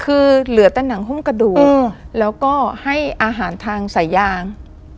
คือเหลือแต่หนังหุ้มกระดูกแล้วก็ให้อาหารทางสายยาง